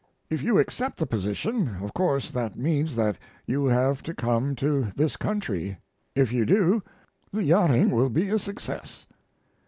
If you accept the position, of course that means that you have to come to this country. If you do, the yachting will be a success.